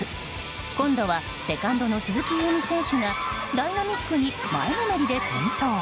今度はセカンドの鈴木夕湖選手がダイナミックに前のめりで転倒。